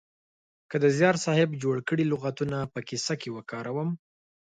که د زیار صاحب جوړ کړي لغاتونه په کیسه کې وکاروم